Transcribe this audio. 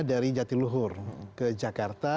dari jatiluhur ke jakarta